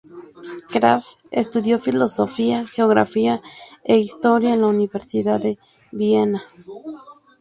Kraft estudió filosofía, geografía e historia en la Universidad de Viena.